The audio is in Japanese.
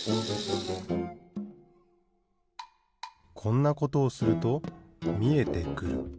こんなことをするとみえてくる。